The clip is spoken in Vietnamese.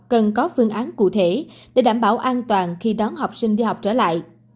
và dân án cụ thể để đảm bảo an toàn khi đón học sinh đi học trở lại